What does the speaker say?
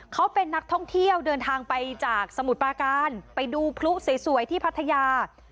เขาเป็นนักท่องเที่ยวเดินทางไปจากสมุทรปราการไปดูพลุสวยที่พัทยา